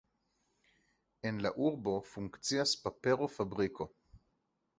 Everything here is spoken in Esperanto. En la urbo funkcias papera fabriko.